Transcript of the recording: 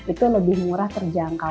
itu lebih murah terjangkau